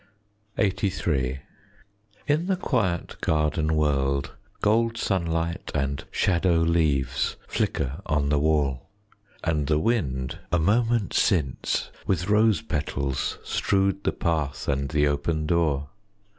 10 LXXXIII In the quiet garden world, Gold sunlight and shadow leaves Flicker on the wall. And the wind, a moment since, With rose petals strewed the path 5 And the open door.